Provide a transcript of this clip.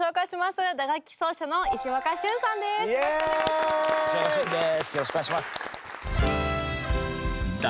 よろしくお願いします。